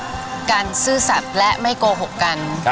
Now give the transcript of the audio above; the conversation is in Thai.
การซื่อสัตว์และไม่โกหกกัน